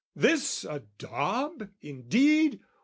This a daub, indeed?